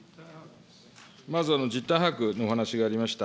まず実態把握のお話がありました。